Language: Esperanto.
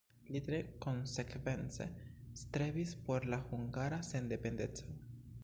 Li tre konsekvence strebis por la hungara sendependeco.